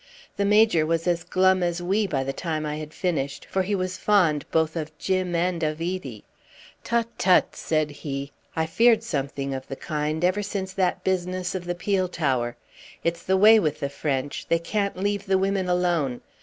The Major was as glum as we by the time I had finished, for he was fond both of Jim and of Edie. "Tut, tut!" said he. "I feared something of the kind ever since that business of the peel tower. It's the way with the French. They can't leave the women alone.